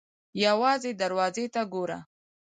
_ يوازې دروازې ته ګوره!